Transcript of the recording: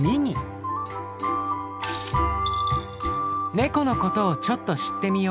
ネコのことをちょっと知ってみよう。